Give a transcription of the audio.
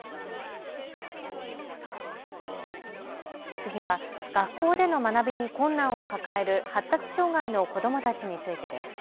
次は学校での学びに困難を抱える発達障害の子どもたちについてです。